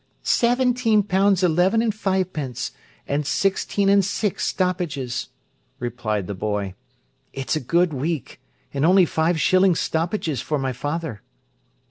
"Seventeen pounds eleven and fivepence, and sixteen and six stoppages," replied the boy. "It's a good week; and only five shillings stoppages for my father."